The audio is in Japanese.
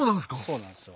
そうなんですよ。